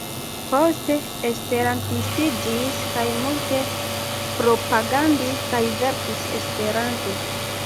Poste Esperantistiĝis kaj multe propagandis kaj verkis Esperante.